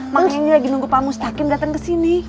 makanya ini lagi nunggu pak mustaqim datang ke sini